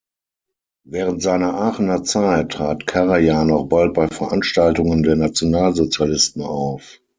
Während seiner Aachener Zeit trat Karajan auch bald bei Veranstaltungen der Nationalsozialisten auf.